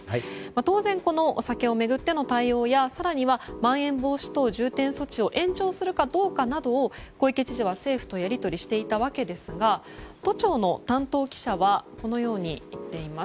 当然この酒を巡っての対応やまん延防止等重点措置を延長するかどうかなどを小池知事は政府とやり取りしていたんですが都庁の担当記者はこのように言ってます。